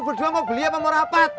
eh lo berdua mau beli apa mau rapat